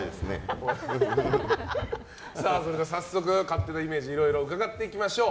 それでは早速勝手なイメージをいろいろ伺っていきましょう。